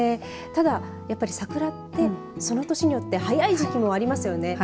ただ、桜ってその年によって早い時期もありますよね。